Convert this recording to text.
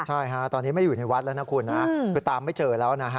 ใช่ฮะตอนนี้ไม่ได้อยู่ในวัดแล้วนะคุณนะคือตามไม่เจอแล้วนะฮะ